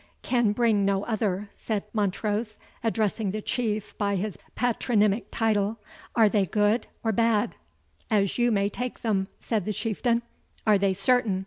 ] can bring no other," said Montrose, addressing the Chief by his patronymic title "are they good or bad?" "As you may take them," said the Chieftain. "Are they certain?"